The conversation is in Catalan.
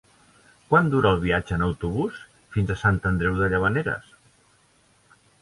Quant dura el viatge en autobús fins a Sant Andreu de Llavaneres?